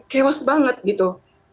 kewas banget gitu